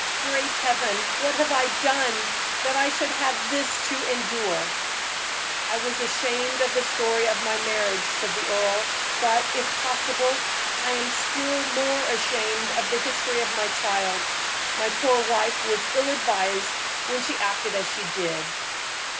Great Heaven! what have I done, that I should have this to endure?" "I was ashamed of the story of my marriage," said the earl, "but, if possible, I am still more ashamed of the history of my child. My poor wife was ill advised when she acted as she did."